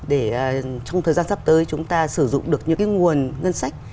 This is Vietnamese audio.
để trong thời gian sắp tới chúng ta sử dụng được những cái nguồn ngân sách